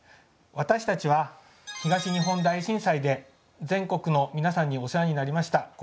私たちは東日本大震災で全国の皆さんにお世話になりました